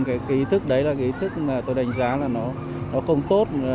cái ý thức đấy là cái ý thức mà tôi đánh giá là nó không tốt